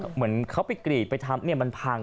เหมือนเขาไปกรีดไปทำเนี่ยมันพัง